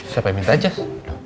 siapa yang minta cas